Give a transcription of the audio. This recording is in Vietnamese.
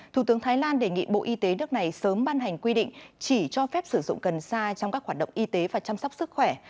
thủ tướng thái lan đề nghị bộ y tế nước này sớm ban hành quy định chỉ cho phép sử dụng cần sa trong các hoạt động y tế và chăm sóc sức khỏe